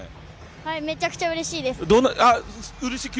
はい、めちゃくちゃうれしいです！